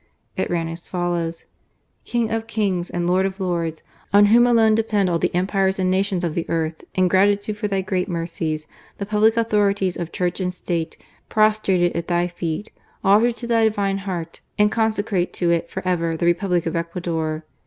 It ran as follows : "King of kings! and Lord of lords! on "Whom alone depend all the empires and nations of the earth, in gratitude for Thy great mercies, the public authorities of Church and State, prostrated at Thy feet, offer to Thy Divine Heart, and conse crate to It for ever, the Republic of Ecuador.